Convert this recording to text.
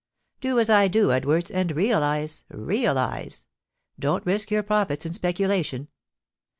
Do as I do, Edwards, and realise realise. Don't risk your profits in speculation.